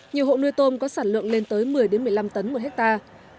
nhiều hộ nuôi tôm có sản lượng lên tới một mươi một mươi năm tấn một hectare